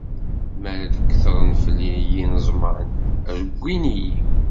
Mi ara d-kettren fell-i yineẓman, rewwin-iyi.